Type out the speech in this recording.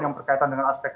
yang berkaitan dengan aspek